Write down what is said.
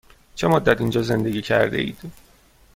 چه مدت اینجا زندگی کرده اید؟